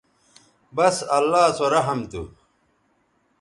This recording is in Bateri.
بس اللہ سو رحم تھو